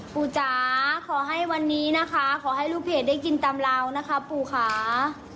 จ๋าขอให้วันนี้นะคะขอให้ลูกเพจได้กินตามราวนะคะปู่ค่ะ